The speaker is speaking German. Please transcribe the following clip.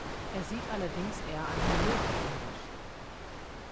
Er sieht allerdings eher einem Löwen ähnlich.